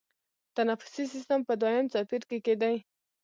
تنفسي سیستم په دویم څپرکي کې دی.